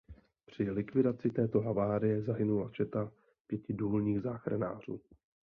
Při likvidaci této havárie zahynula četa pěti důlních záchranářů.